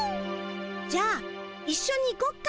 じゃあいっしょに行こっか？